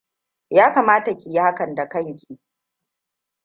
Ya kamata ki yi hakan da kanki.